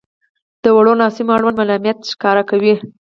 • د وړو ناسمیو اړوند ملایمت ښکاره کوئ.